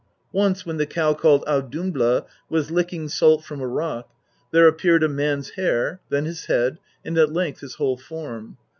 Once when the cow cajled Audumbla was licking salt from a rock there appeared a man's hair, then his head, and at length his whole form.